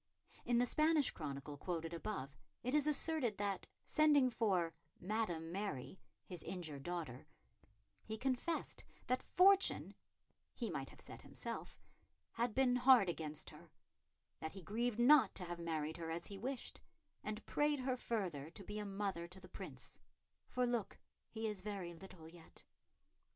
In the Spanish chronicle quoted above, it is asserted that, sending for "Madam Mary," his injured daughter, he confessed that fortune he might have said himself had been hard against her, that he grieved not to have married her as he wished, and prayed her further to be a mother to the Prince, "for look, he is very little yet."